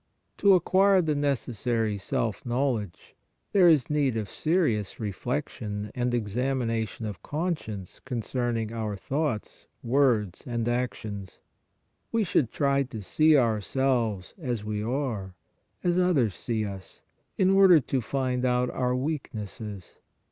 To acquire the necessary self knowledge, there is need of serious reflection and examination of conscience concerning our thoughts, words and actions; we should try to see ourselves as we are, as others see us, in order to find out our weaknesses.